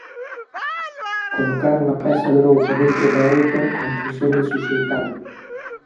Colocar unha peza de roupa dentro da outra coa intención de suxeitala.